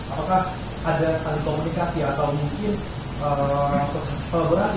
apakah ada komunikasi atau mungkin kolaborasi